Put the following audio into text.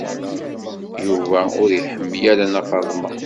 Yuba ur iḥemmel ara Nna Faḍma.